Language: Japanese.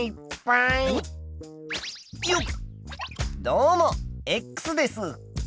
どうもです。